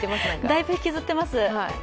だいぶ引きずってます。